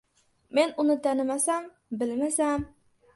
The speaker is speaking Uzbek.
— Men uni tanimasam, bilmasam...